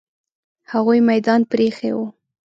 هغوی میدان پرې ایښی وو.